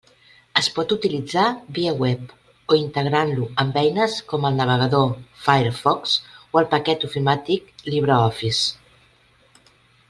Es pot utilitzar via web o integrant-lo amb eines com el navegador Firefox o el paquet ofimàtic LibreOffice.